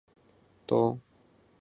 东神奈川车站的铁路车站。